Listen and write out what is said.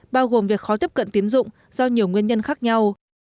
bao gồm việc khó tiếp cận tiến dụng do nhiều nguyên nhân khác nhau